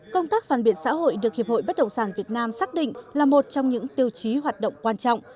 công tác phản biện xã hội được hiệp hội bất động sản việt nam xác định là một trong những tiêu chí hoạt động quan trọng